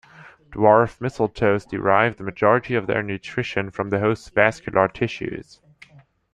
Dwarf mistletoes derive the majority of their nutrition from the host's vascular tissues.